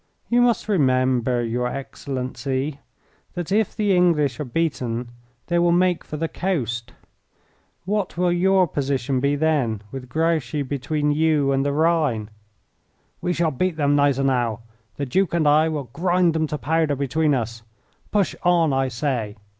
"You must remember, your Excellency, that if the English are beaten they will make for the coast. What will your position be then, with Grouchy between you and the Rhine?" "We shall beat them, Gneisenau; the Duke and I will grind them to powder between us. Push on, I say!